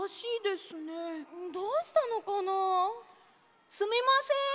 すみません！